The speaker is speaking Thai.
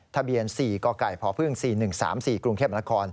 ทะเบียน๔กกพพ๔๑๓๔กรุงเทพมนาคม